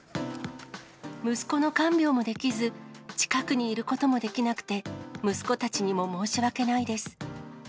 息子の看病もできず、近くにいることもできなくて、息子たちにも申し訳ないです。